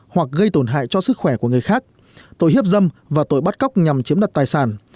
hoặc gây tổn hại cho sức khỏe của người khác tội hiếp dâm và tội bắt cóc nhằm chiếm đặt tài sản